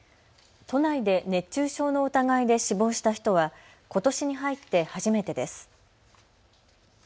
都内で熱中症の疑いで死亡した人はことしに入って初めてです。